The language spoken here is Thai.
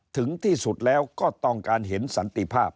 ถึงที่สุดแล้วก็ต้องการเห็นสันติภาพ